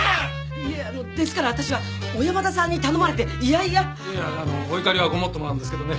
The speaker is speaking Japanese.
いえですから私は小山田さんに頼まれてイヤイヤお怒りはごもっともなんですけどね